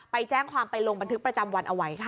ไปแจ้งความไปลงบันทึกประจำวันเอาไว้ค่ะ